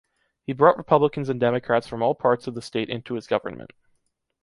He brought Republicans and Democrats from all parts of the state into his government.